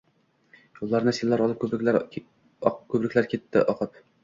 Yo‘llarni sellar oldi, ko‘priklar ketdi oqib.